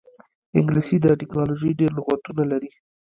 انګلیسي د ټیکنالوژۍ ډېری لغتونه لري